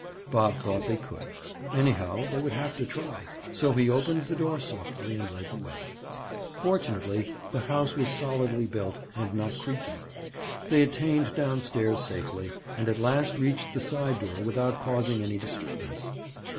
Bob thought they could. Anyhow, they would have to try, so he opened the door softly and led the way. Fortunately, the house was solidly built and not creaky. They attained down stairs safely, and at last reached the side door without causing any disturbance.